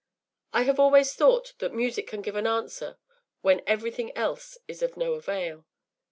I have always thought that music can give an answer when everything else is of no avail.